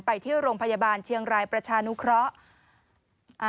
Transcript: ไปที่โรงพยาบาลเชียงรายประชานุเคราะห์